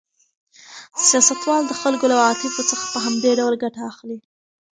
سیاستوال د خلکو له عواطفو څخه په همدې ډول ګټه اخلي.